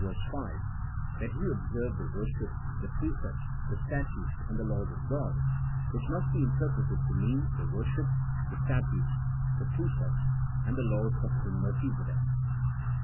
5), that he observed the worship, the precepts, the statutes, and the laws of God, which must be interpreted to mean the worship, the statutes, the precepts, and the laws of king Melchisedek.